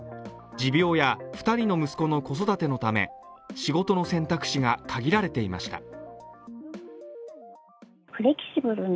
持病や２人の息子の子育てのため仕事の選択肢が限られていました。